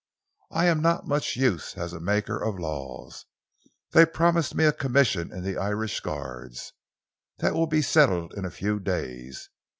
I am not much use as a maker of laws. They've promised me a commission in the Irish Guards. That will be settled in a few days.